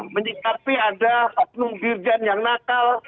menyikapi ada fadlung birjan yang nakal